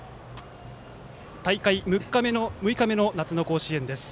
大会６日目の夏の甲子園です。